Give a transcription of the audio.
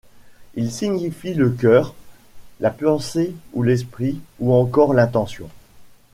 Il signifie le cœur, la pensée ou l'esprit, ou encore l'intention.